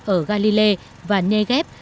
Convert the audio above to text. ở galilei và negev